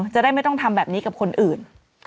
จะได้ไม่ต้องทำแบบนี้กับคนอื่น